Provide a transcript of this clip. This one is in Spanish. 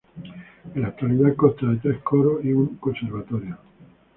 En la actualidad consta de tres coros y un conservatorio.